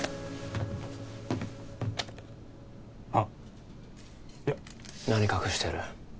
あっいや何隠してる？